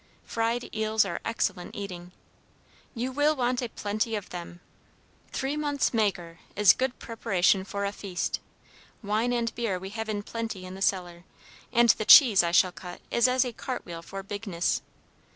Fried eels are excellent eating! You will want a plenty of them. Three months maigre is good preparation for a feast. Wine and beer we have in plenty in the cellar, and the cheese I shall cut is as a cartwheel for bigness.